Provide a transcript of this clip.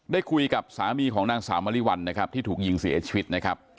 ได้คุยกับสามีของนางสาวมริวัลนะครับที่ถูกยิงเสียชีวิตนะครับ